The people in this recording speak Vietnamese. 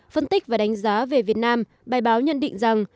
phân tích và đánh giá về việt nam bài báo nhận định rằng